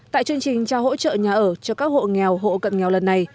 tại chương trình trao hỗ trợ nhà ở cho các hộ nghèo hộ cận nghèo lần này